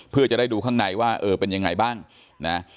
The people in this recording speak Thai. เพื่อจะได้ดูข้างในว่าเออเป็นยังไงบ้างนะ